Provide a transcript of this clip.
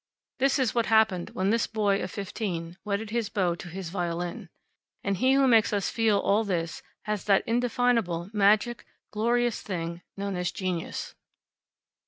This is what happened when this boy of fifteen wedded his bow to his violin. And he who makes us feel all this has that indefinable, magic, glorious thing known as Genius.